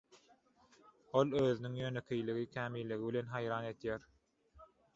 Ol özüniň ýönekeýligi, kämilligi bilen haýran edýär.